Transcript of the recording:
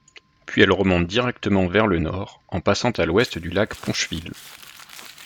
Puis elle remonte directement vers le Nord en passant à l’Ouest du lac Poncheville.